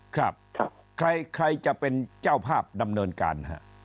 ครับใครจะเป็นเจ้าภาพดำเนินการฮะ